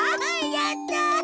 やった！